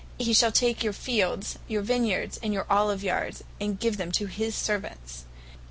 He shall take your fields, your vine yards, and your olive yards, and give them to his servants.